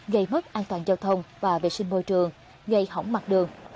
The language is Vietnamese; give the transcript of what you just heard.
gây mất an toàn giao thông và vệ sinh môi trường gây hỏng mặt đường